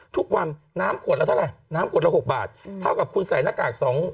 ทุกวันน้ำขวดละเท่าไหร่น้ำขวดละ๖บาทเท่ากับคุณใส่หน้ากากสอง